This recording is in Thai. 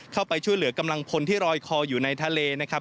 เข้าไปช่วยเหลือกำลังพลที่รอยคออยู่ในทะเลนะครับ